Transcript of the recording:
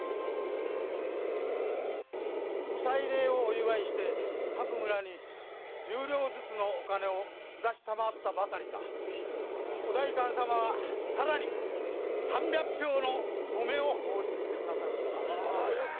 ご祭礼をお祝いして各村に十両ずつのお金を下したまわったばかりかお代官様はさらに三百俵の米を放出してくださるそうだ。